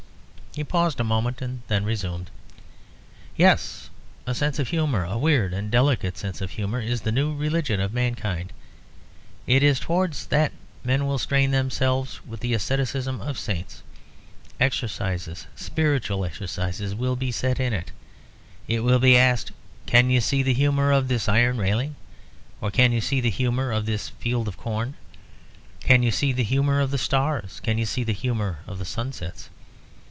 He paused a moment, and then resumed. "Yes; a sense of humour, a weird and delicate sense of humour, is the new religion of mankind! It is towards that men will strain themselves with the asceticism of saints. Exercises, spiritual exercises, will be set in it. It will be asked, 'Can you see the humour of this iron railing?' or 'Can you see the humour of this field of corn? Can you see the humour of the stars? Can you see the humour of the sunsets?'